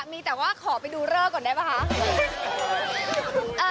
อยากมีแต่ว่าขอไปดูเร่อก่อนได้ไหมคะ